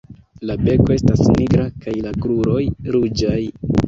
La beko estas nigra kaj la kruroj ruĝaj.